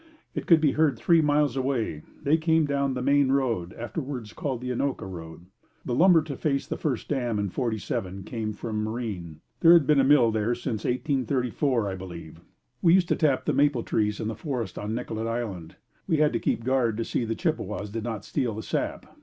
It could be heard three miles away. They came down the Main Road, afterwards called the Anoka road. The lumber to face the first dam in '47 came from Marine. There had been a mill there since 1834, I believe. We used to tap the maple trees in the forest on Nicollet Island. We had to keep guard to see that the Chippewas did not steal the sap.